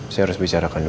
saya harus bicara ke nino